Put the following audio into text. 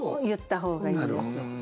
言った方がいいです。